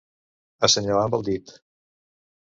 Assenyalar amb el dit.